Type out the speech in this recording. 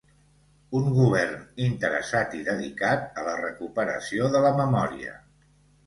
Un govern interessat i dedicat a la recuperació de la memòria.